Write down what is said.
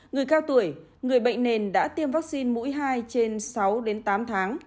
người cao tuổi người bệnh nền đã tiêm vaccine mũi hai trên sáu đến tám tháng